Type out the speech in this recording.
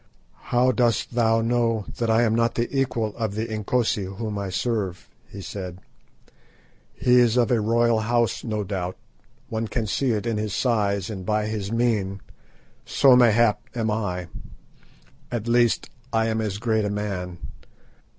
"How dost thou know that I am not the equal of the Inkosi whom I serve?" he said. "He is of a royal house, no doubt; one can see it in his size and by his mien; so, mayhap, am I. At least, I am as great a man.